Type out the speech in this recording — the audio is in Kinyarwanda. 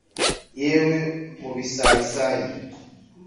yewe mu bisayisayi